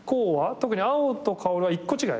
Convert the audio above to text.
特に碧と薫は１個違い？